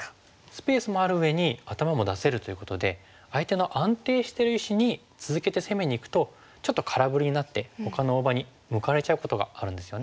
スペースもあるうえに頭も出せるということで相手の安定している石に続けて攻めにいくとちょっと空振りになってほかの大場に向かわれちゃうことがあるんですよね。